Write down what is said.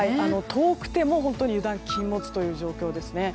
遠くても油断禁物という状況です。